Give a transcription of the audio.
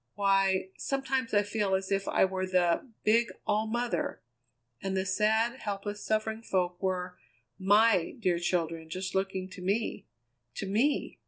Why, sometimes I feel as if I were the big All Mother, and the sad, helpless, suffering folk were my dear children just looking to me to me!